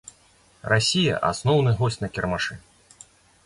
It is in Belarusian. Расія асноўны госць на кірмашы.